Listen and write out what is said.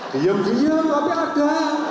diam diam tapi ada